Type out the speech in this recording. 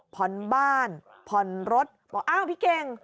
พรบ้านพรรดอ้าวพี่เก่ง